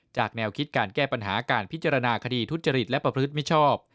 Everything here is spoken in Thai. แนวคิดการแก้ปัญหาการพิจารณาคดีทุจริตและประพฤติมิชชอบ